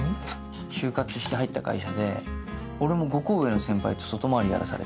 就活して入った会社で俺も５コ上の先輩と外回りやらされて。